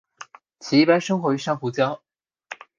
其一般生活于珊瑚礁。